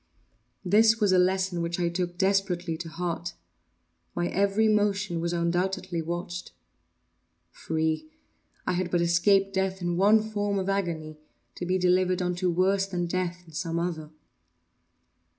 This was a lesson which I took desperately to heart. My every motion was undoubtedly watched. Free!—I had but escaped death in one form of agony, to be delivered unto worse than death in some other.